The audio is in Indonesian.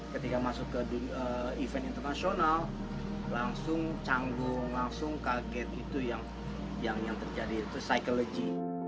ketika masuk ke event internasional langsung canggung langsung kaget itu yang terjadi itu psychologigy